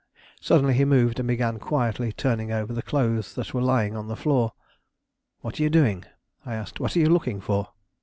Suddenly he moved and began quietly turning over the clothes that were lying on the floor. "What are you doing?" I asked. "What are you looking for?"